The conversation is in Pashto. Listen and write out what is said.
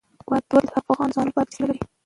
وادي د افغان ځوانانو لپاره دلچسپي لري.